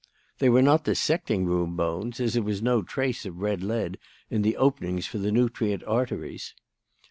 "They were not dissecting room bones, as there was no trace of red lead in the openings for the nutrient arteries.